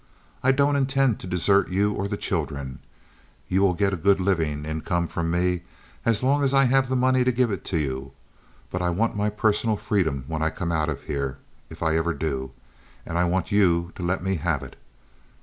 I don't intend to desert you or the children—you will get a good living income from me as long as I have the money to give it to you—but I want my personal freedom when I come out of here, if ever I do, and I want you to let me have it.